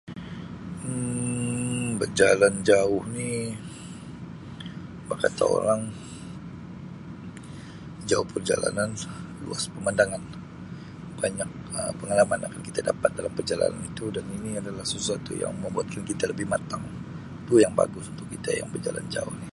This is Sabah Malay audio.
Um Bejalan jauh ni bak kata orang, jauh perjalanan, luas pemandangan. Banyak Um pengalaman lah yang kita dapat dalam perjalanan itu dan ini adalah sesuatu yang membuatkan kita lebih matang. Itu yang bagus untuk kita yang bejalan jauh ni.